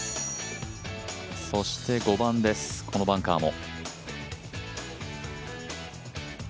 ５番です、このバンカーも。